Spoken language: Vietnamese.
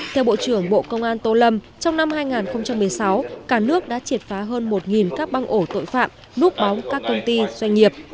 theo bộ trưởng bộ công an tô lâm trong năm hai nghìn một mươi sáu cả nước đã triệt phá hơn một các băng ổ tội phạm núp bóng các công ty doanh nghiệp